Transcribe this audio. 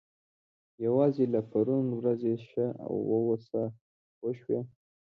یوازې له پرون ورځې ښه واوسه پوه شوې!.